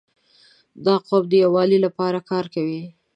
• دا قوم د یووالي لپاره کار کوي.